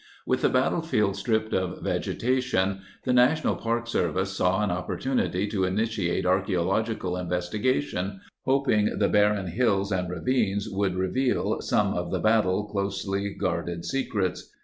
With the battlefield stripped of vegeta tion, the National Park Serv ice saw an opportunity to initi ate an archeological investi gation, hoping the barren hills and ravines would reveal some of the battle's closely guarded secrets.